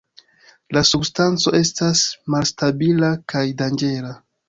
La substanco estas malstabila kaj danĝera.